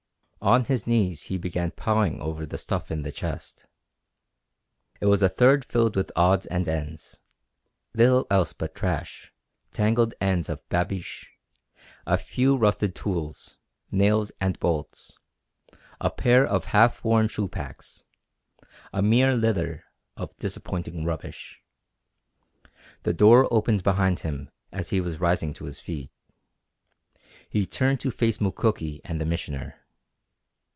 On his knees he began pawing over the stuff in the chest. It was a third filled with odds and ends little else but trash; tangled ends of babiche, a few rusted tools, nails and bolts, a pair of half worn shoe packs a mere litter of disappointing rubbish. The door opened behind him as he was rising to his feet. He turned to face Mukoki and the Missioner.